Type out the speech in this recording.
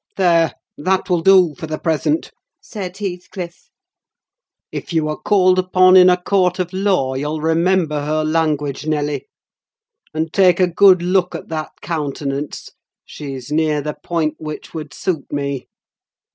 "There—that will do for the present!" said Heathcliff. "If you are called upon in a court of law, you'll remember her language, Nelly! And take a good look at that countenance: she's near the point which would suit me.